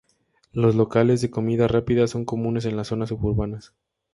Los locales de comida rápida son comunes en las zonas suburbanas.